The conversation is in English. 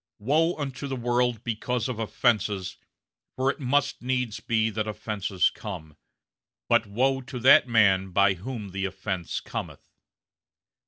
'Woe unto the world because of offenses! for it must needs be that offenses come; but woe to that man by whom the offense cometh.'